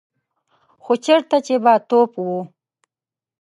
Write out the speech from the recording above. خو چېرته چې به توپ و.